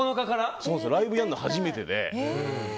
ライブやるの、初めてで。